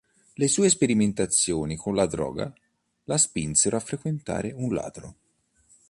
Le sue sperimentazioni con la droga, la spinsero a frequentare un ladro.